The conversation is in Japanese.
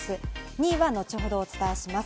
２位は後ほどお伝えします。